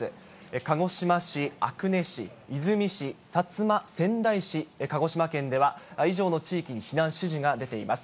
鹿児島市、阿久根市、出水市、薩摩川内市、鹿児島県では以上の地域に避難指示が出ています。